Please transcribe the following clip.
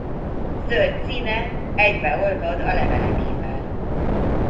Zöld színe egybeolvad a levelekével.